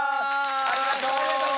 ありがとう。